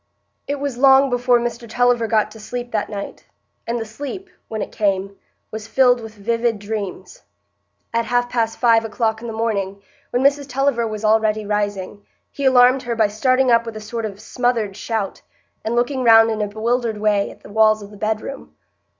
It was long before Mr Tulliver got to sleep that night; and the sleep, when it came, was filled with vivid dreams. At half past five o'clock in the morning, when Mrs Tulliver was already rising, he alarmed her by starting up with a sort of smothered shout, and looking round in a bewildered way at the walls of the bedroom.